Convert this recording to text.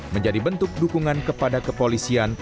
menjadi bentuk dukungan kepada kepolisian